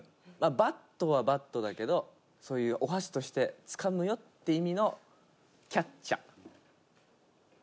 バットはバットだけどそういうお箸としてつかむよって意味のきゃっちゃ。